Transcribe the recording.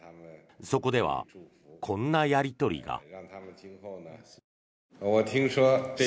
そこでは、こんなやり取りが。